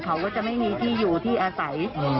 เขาก็จะไม่มีที่อยู่ที่อาศัย